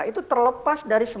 itu terlepas dari konteks